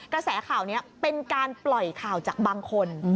กระแสข่าวนี้เป็นการปล่อยข่าวจากบางคน